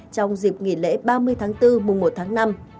trong dịp nghỉ lễ ba mươi tháng bốn mùa một tháng năm